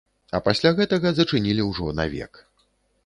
А пасля гэтага зачынілі ўжо навек.